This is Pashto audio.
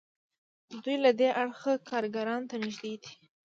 دوی له دې اړخه کارګرانو ته نږدې دي.